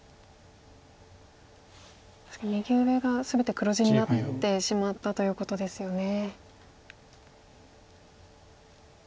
確かに右上が全て黒地になってしまったということですよね。